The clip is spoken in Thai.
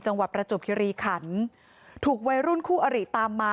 จังหวัดประจบคิรีขันส์ถูกไว้รุ่นคู่อาริตามมา